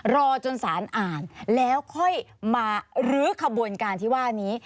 รอจนสารอ่านแล้วค่อยมาลื้อขบวนการที่ว่านี้